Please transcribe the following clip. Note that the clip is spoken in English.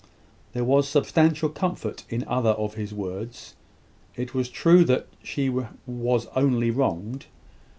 There was substantial comfort in other of his words. It was true that she was only wronged.